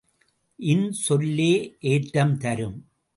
இன்சொல்லே ஏற்றம் தரும்.